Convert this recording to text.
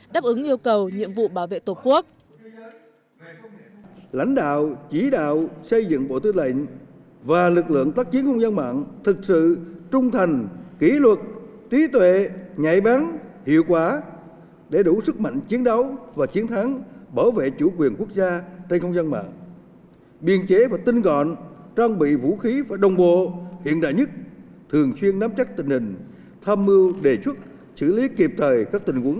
đáp ứng yêu cầu nhiệm vụ bảo vệ tổ quốc